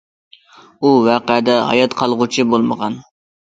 ئۇ ۋەقەدە ھايات قالغۇچى بولمىغان.